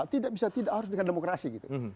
tidak bisa tidak harus dengan demokrasi gitu